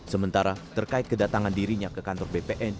sementara terkait kedatangan dirinya ke kantor bpn